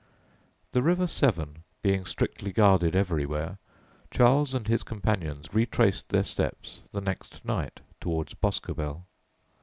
The river Severn being strictly guarded everywhere, Charles and his companions retraced their steps the next night towards Boscobel.